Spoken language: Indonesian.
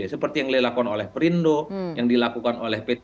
seperti yang dilakukan oleh perindo yang dilakukan oleh pt